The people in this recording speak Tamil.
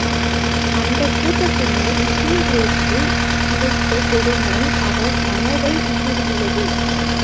அந்தக் கூட்டத்தினர், முஸ்லிம்களுக்கு இழைத்த கொடுமை அவர் மனத்தை ஊடுருவியது.